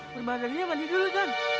permandangnya manis dulu don